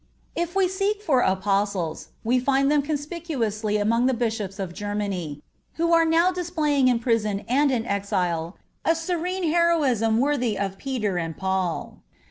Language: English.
If we seek for Apostles, we find them conspicuously among the Bishops of Germany, who are now displaying in prison and in exile a serene heroism worthy of Peter and Paul.